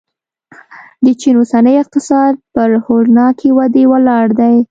د چین اوسنی اقتصاد پر هولناکې ودې ولاړ دی.